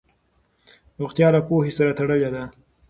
روغتیا له پوهې سره تړلې ده.